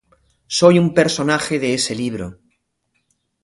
Soy un personaje de ese libro.